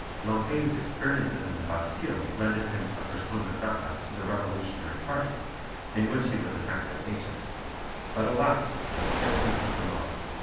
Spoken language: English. Linguet's experiences in the Bastille rendered him a persona grata to the revolutionary party, in which he was an active agent; but, alas for the fickleness of the mob!